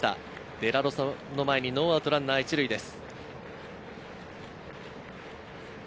デラロサの前にノーアウトランナー１塁です。